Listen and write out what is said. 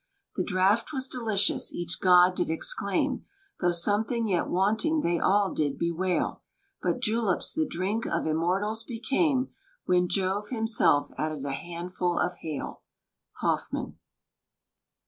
The draught was delicious, each god did exclaim, Though something yet wanting they all did bewail; But juleps the drink of immortals became, When Jove himself added a handful of hail. HOFFMAN.